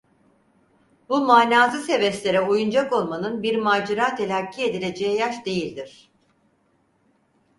Bu manasız heveslere oyuncak olmanın bir macera telakki edileceği yaş değildir.